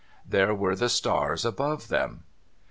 There were the stars above them.